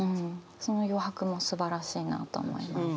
その余白もすばらしいなと思います。